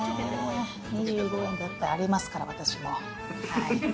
２５円だったらありますから、私も。